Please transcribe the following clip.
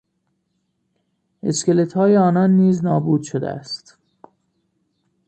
اسکلتهای آنها نیز نابود شده است.